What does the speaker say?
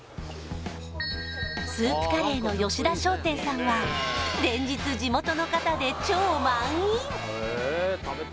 スープカレーの吉田商店さんは連日地元の方で超満員